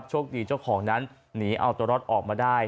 โชคดีเจ้าของนั้นหนีเอาตัวรอดออกมาได้